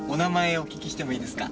お聞きしてもいいですか？